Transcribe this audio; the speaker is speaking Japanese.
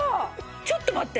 ちょっと待って。